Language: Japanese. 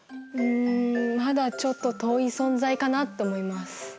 うんまだちょっと遠い存在かなと思います。